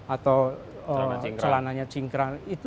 atau celananya cingkral